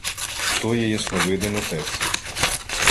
— Хто є Ясновидин отець?